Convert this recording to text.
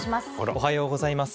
おはようございます。